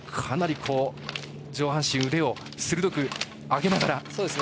かなり上半身、腕を鋭く上げながら。